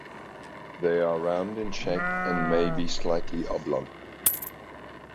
They are round in shape and may be slightly oblong.